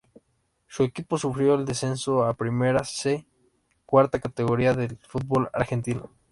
Su equipo sufrió el descenso a la Primera C, cuarta categoría del fútbol argentino.